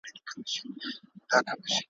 ته تر څه تورو تیارو پوري یې تللی ,